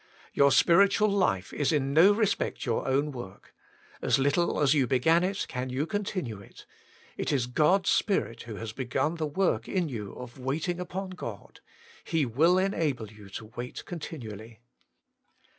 Your spiritual life is in no respect your own work : as little as you began it, can you continue it ; it is God's Spirit who has begun the work in you of wait ing upon God ; He will enable you to wait con tinually.